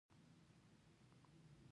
د خپلو زامنو کيسې يې کولې.